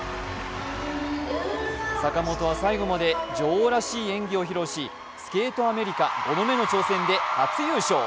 坂本は最後まで女王らしい演技を披露しスケートアメリカ５度目の挑戦で初優勝。